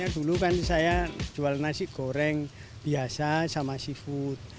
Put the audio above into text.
dulu kan saya jual nasi goreng biasa sama seafood